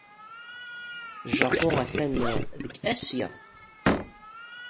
Japun attan deg Asya.